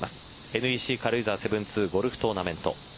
ＮＥＣ軽井沢７２ゴルフトーナメント。